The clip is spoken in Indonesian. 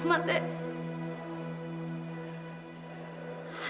berhati hati dengan asma